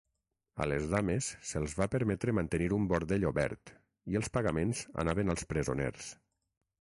A les dames se'ls va permetre mantenir un bordell obert, i els pagaments anaven als presoners.